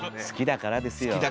好きだからですよ。